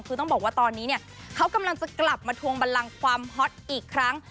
คือต้องบอกว่าตอนนี้เนี่ยเขากำลังจะกลับมาทวงบันลังความฮอตอีกครั้ง